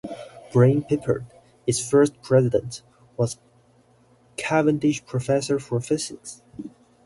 Brian Pippard, its first President, was Cavendish Professor of Physics.